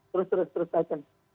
terus terus terus